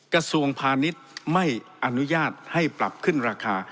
กระทรวงพาณิชย์ไม่อนุญาตให้ปรับขึ้นราคา